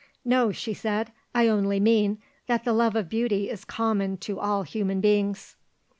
"No," she said; "I only mean that the love of beauty is common to all human beings."